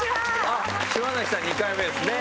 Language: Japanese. あっ島崎さん２回目ですね。